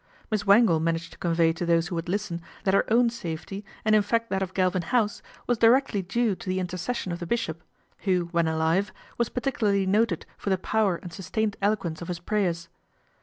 Miss Wangle managed to convey to those who would listen that her own safety, and in fact that of Galvin House, was directly due to the intercession of the bishop, who when alive was particularly noted for the power and sustained eloquence of his prayers.